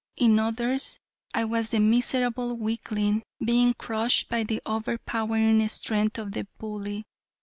In others, I was the miserable weakling, being crushed by the over powering strength of the bully.